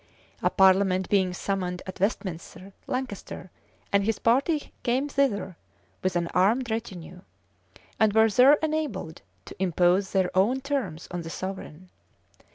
A parliament being summoned at Westminster, Lancaster and his party came thither with an armed retinue; and were there enabled to impose their own terms on the sovereign.